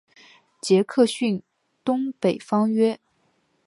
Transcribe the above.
杰克逊东北方约。